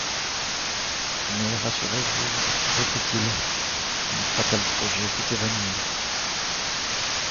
Mais rassurez-vous, reprit-il, mon fatal projet s’est évanoui.